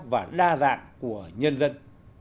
và đa dạng của nhân dân